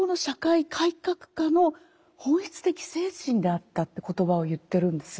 家の本質的精神であったって言葉を言ってるんですね。